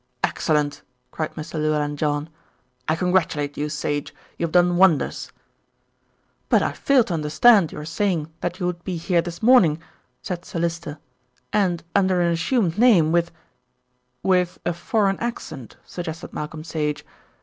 "Excellent!" cried Mr. Llewellyn John. "I congratulate you, Sage. You have done wonders." "But I failed to understand your saying that you would be here this morning," said Sir Lyster, "and under an assumed name with " "A foreign accent," suggested Malcolm Sage.